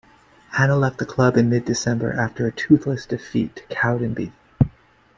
Hannah left the club in mid-December after a toothless defeat to Cowdenbeath.